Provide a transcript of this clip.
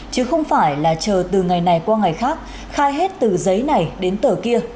chứ không phải là chờ từ ngày này qua ngày khác khai hết từ giấy này đến tờ kia